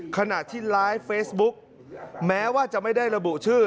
ขณะที่ไลฟ์เฟซบุ๊กแม้ว่าจะไม่ได้ระบุชื่อ